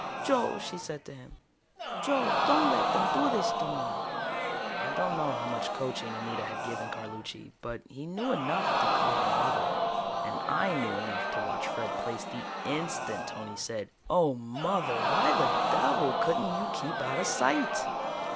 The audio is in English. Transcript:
"Joe," she said to him. "Joe, don't let them do this to me!" I don't know how much coaching Anita had given Carlucci, but he knew enough to call her "mother." And I knew enough to watch Fred Plaice the instant Tony said: "Oh, mother! Why the devil couldn't you keep out of sight!"